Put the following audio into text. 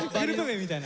みたいな。